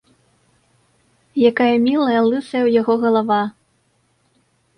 Якая мілая лысая ў яго галава!